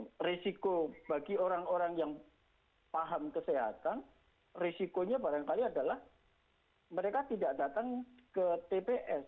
karena risiko bagi orang orang yang paham kesehatan risikonya barangkali adalah mereka tidak datang ke tps